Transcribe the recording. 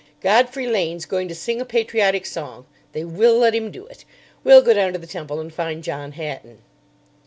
"Godfrey Lane's going to sing a patriotic song. They will let him do it. We'll go down to the Temple and find John Hatton."